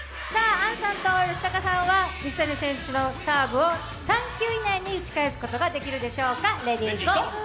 杏さんと吉高さんは水谷選手のサーブを３球以内に打ち返すことができるでしょうか、レディーゴー。